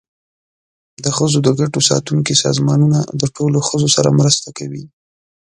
د ښځو د ګټو ساتونکي سازمانونه د ټولو ښځو سره مرسته کوي.